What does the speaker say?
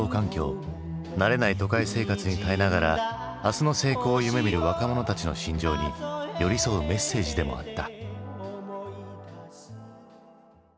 慣れない都会生活に耐えながら明日の成功を夢みる若者たちの心情に寄り添うメッセージでもあった。